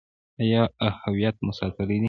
آیا هویت مو ساتلی دی؟